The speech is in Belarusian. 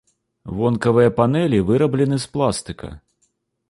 Вонкавыя панэлі выраблены з пластыка.